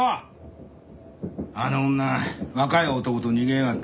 あの女若い男と逃げやがった。